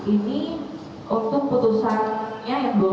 ini untuk putusannya yang dua puluh dua juli dua ribu enam belas